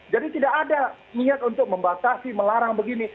jadi tidak ada niat untuk membatasi melarang begini